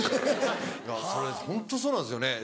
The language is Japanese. それホントそうなんですよね。